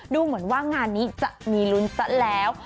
ดูเหมือนว่างานนี้จะมีลุ้นซะแล้ว